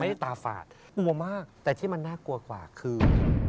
ตาฝาดหัวมากแต่ที่มันน่ากลัวกว่าคือ